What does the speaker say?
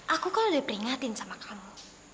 aku kan udah peringatin sama kamu